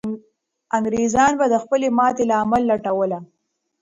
انګریزان به د خپلې ماتې لامل لټوله.